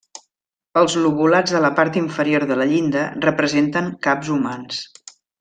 Els lobulats de la part inferior de la llinda representen caps humans.